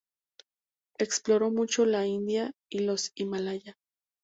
Exploró mucho la India y los Himalaya.